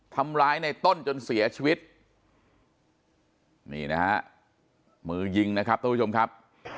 ทำร้ายในต้นจนเสียชีวิตนี่นะฮะมือยิงนะครับท่านผู้ชมครับ